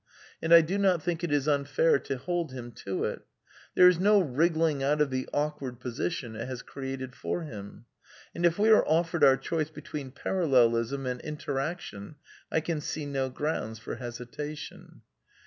And I do not think it is unfair to hold him to it. There is no wriggling out of the awkward position it has created for him. And if we are offered our choice between Parallelism and Interaction I can see no grounds for hesitation.